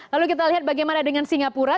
lalu kita lihat bagaimana dengan singapura